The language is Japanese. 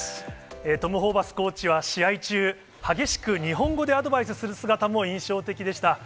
トム・ホーバスコーチは試合中、激しく日本語でアドバイスする姿も印象的でした。